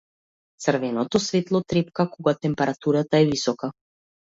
Црвеното светло трепка кога температурата е висока.